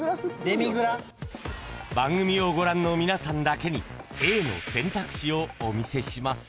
［番組をご覧の皆さんだけにＡの選択肢をお見せします］